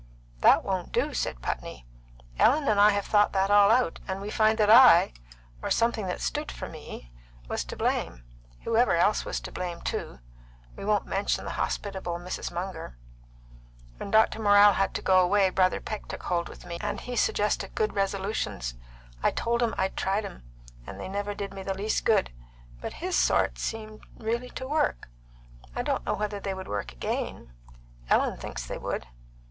"That won't do," said Putney. "Ellen and I have thought that all out, and we find that I or something that stood for me was to blame, whoever else was to blame, too; we won't mention the hospitable Mrs. Munger. When Dr. Morrell had to go away Brother Peck took hold with me, and he suggested good resolutions. I told him I'd tried 'em, and they never did me the least good; but his sort really seemed to work. I don't know whether they would work again; Ellen thinks they would.